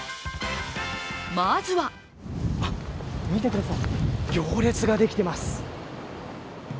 まずは見てください、行列ができています。